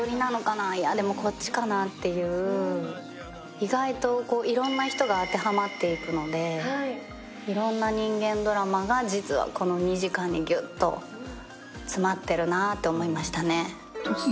意外といろんな人が当てはまっていくのでいろんな人間ドラマが実はこの２時間にギュッと詰まってるなと思いましたね。